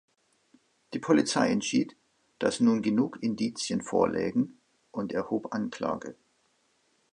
Die Polizei entschied, dass nun genug Indizien vorlägen und erhob Anklage.